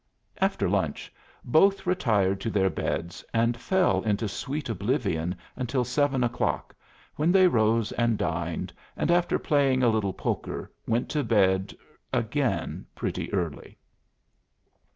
After lunch both retired to their beds and fell into sweet oblivion until seven o'clock, when they rose and dined, and after playing a little poker went to bed again pretty early.